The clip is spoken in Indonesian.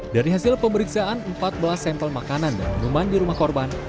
dari hasil pemeriksaan empat belas sampel makanan dan minuman di rumah korban